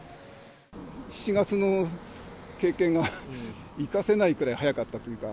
７月の経験が生かせないくらい、早かったというか。